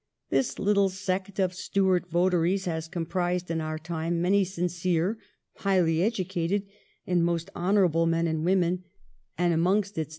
This little sect of Stuart votaries has comprised in our time many sincere, highly educated, and most honourable men and women, and had amongst its VOL.